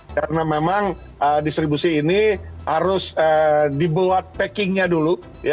karena memang distribusi ini harus dibuat packingnya dulu